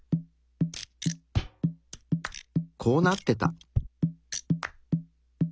こうなってた。